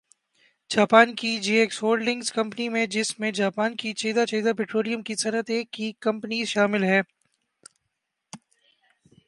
Japan کی J X holdings company جس میں جاپان کی چیدہ چیدہ پٹرولیم کی صنعت کی کمپنیز شامل ہیں